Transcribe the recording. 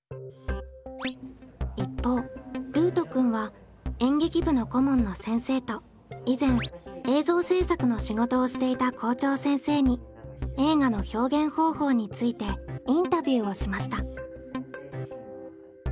一方ルートくんは演劇部の顧問の先生と以前映像制作の仕事をしていた校長先生に映画の表現方法についてインタビューをしました。